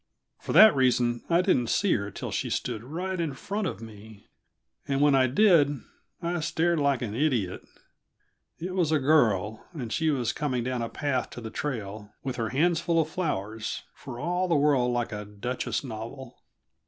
For that reason, I didn't see her till she stood right in front of me; and when I did, I stared like an idiot. It was a girl, and she was coming down a path to the trail, with her hands full of flowers, for all the world like a Duchess novel.